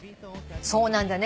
そうなんだね。